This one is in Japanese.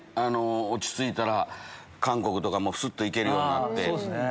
落ち着いたら韓国とかもすっと行けるようになって。